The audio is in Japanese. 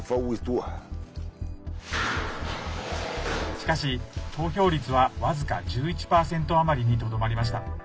しかし、投票率は僅か１１％余りにとどまりました。